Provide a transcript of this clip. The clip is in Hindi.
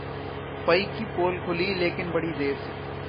फई की पोल खुली लेकिन बड़ी देर से